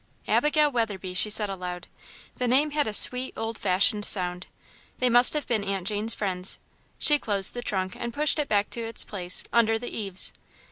"Abigail Weatherby," she said aloud. The name had a sweet, old fashioned sound. "They must have been Aunt Jane's friends." She closed the trunk and pushed it back to its place, under the eaves.